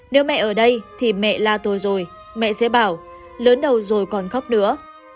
nếu mẹ ở đây thì mẹ la tôi rồi mẹ sẽ bảo lớn đầu rồi còn khóc nữa